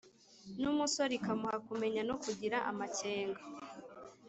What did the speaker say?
N’umusore ikamuha kumenya no kugira amakenga,